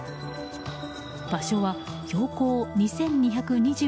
場所は標高２２２８ｍ。